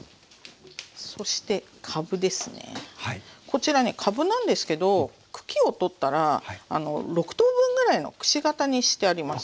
こちらねかぶなんですけど茎を取ったら６等分ぐらいのくし形にしてあります。